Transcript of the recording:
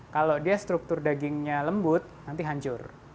kalau dia struktur dagingnya lembut nanti hancur